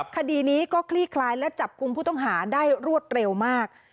คดีนี้ก็คลี่คลายและจับกลุ่มผู้ต้องหาได้รวดเร็วมาก